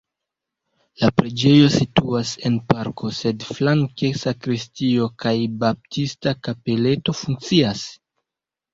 La preĝejo situas en parko, sed flanke sakristio kaj baptista kapeleto funkcias.